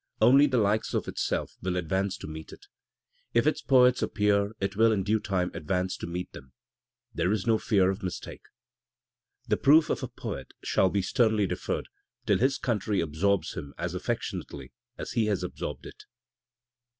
Only the likes of itself will advance to meet it, ^ If its poets appear it will in due time advance to meet them, there is no fear of mistake (The proof of a poet shall be sternly deferred till his country ab sorbs him as affectionately as he has absorbed it).